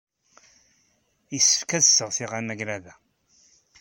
Yessefk ad sseɣtiɣ amagrad-a.